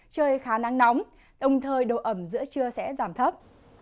trời khá nắng nóng đồng thời độ ẩm giữa trưa sẽ giảm thấp